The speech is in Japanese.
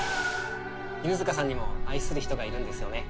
犬塚さんにも愛する人がいるんですよね。